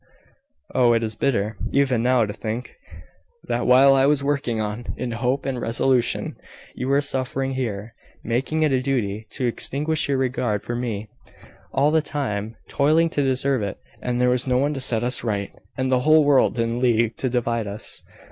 Oh, it is bitter, even now, to think, that while I was working on, in hope and resolution, you were suffering here, making it a duty to extinguish your regard for me, I all the time toiling to deserve it and there was no one to set us right, and the whole world in league to divide us."